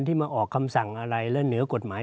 ที่มาออกคำสั่งอะไรและเหนือกฎหมาย